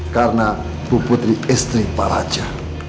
karena bu putri istri pak raja